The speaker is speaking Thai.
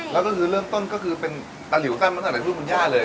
แล้วก็คือเรื่องต้นก็คือเป็นตะลิวกั้นมาตั้งแต่รูปบุญญาเลย